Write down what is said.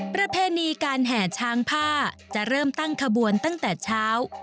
ประเพณีการแห่ช้างผ้าจะเริ่มตั้งขบวนตั้งแต่เช้า